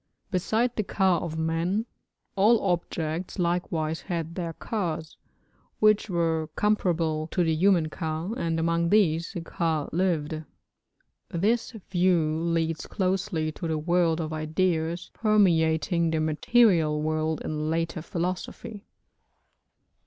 Beside the ka of man, all objects likewise had their kas, which were comparable to the human ka, and among these the ka lived. This view leads closely to the world of ideas permeating the material world in later philosophy.